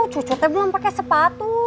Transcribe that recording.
cucu tuh belum pake sepatu